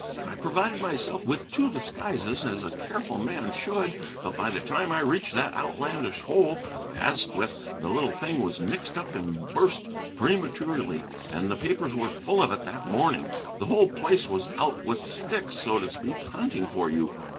'I provided myself with two disguises, as a careful man should, but by the time I reached that outlandish hole, Asquith, the little thing I was mixed up in burst prematurely, and the papers were full of it that morning. The whole place was out with sticks, so to speak, hunting for you.